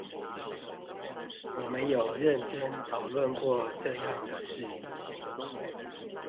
我們有認真討論過這樣的事